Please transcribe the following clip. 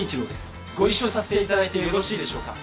ご一緒させていただいてよろしいでしょうか？